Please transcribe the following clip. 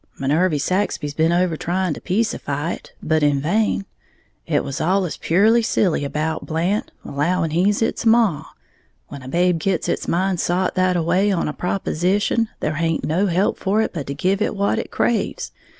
Minervy Saxby's been over trying to peaceify it, but in vain. It was allus purely silly about Blant, allowing he's its maw. When a babe gits its mind sot thataway on a proposition, there haint no help for it but to give it what it craves.